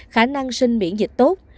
khả năng sinh miễn dịch tốt